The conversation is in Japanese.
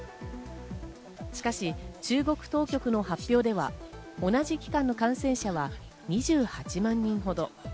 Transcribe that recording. しかし、中国当局の発表では、同じ期間の感染者は２８万人ほど。